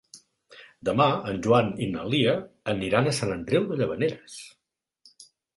Demà en Joan i na Lia aniran a Sant Andreu de Llavaneres.